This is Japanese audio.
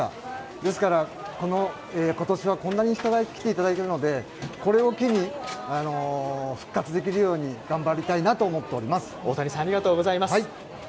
ですから今年は、こんなに人が来ていただいているので、これを機に、復活できるよう頑張りたいなと思っています。